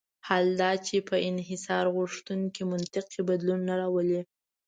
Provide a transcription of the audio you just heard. حال دا چې په انحصارغوښتونکي منطق کې بدلون نه راولي.